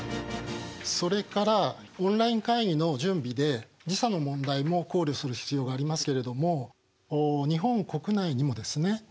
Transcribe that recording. それからオンライン会議の準備で時差の問題も考慮する必要がありますけれども日本国内にもですね